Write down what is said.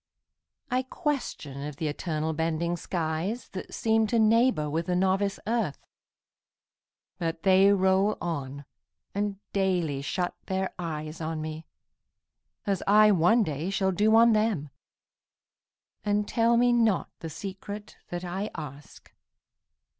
I question of th' eternal bending skies That seem to neighbor with the novice earth; But they roll on, and daily shut their eyes On me, as I one day shall do on them, And tell me not the secret that I ask.